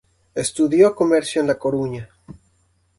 Estudió comercio en La Coruña.